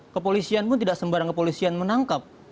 kepolisian pun tidak sembarang kepolisian menangkap